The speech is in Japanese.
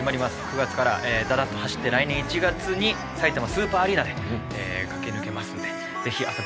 ９月からダダッと走って来年１月にさいたまスーパーアリーナで駆け抜けますんでぜひ遊びに来てください。